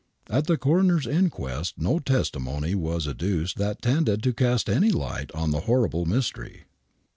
At the coroner's inquest no testimony was adduced that tended to cast any light on the horrible mystery.